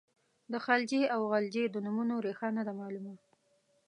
د خلجي او غلجي د نومونو ریښه نه ده معلومه.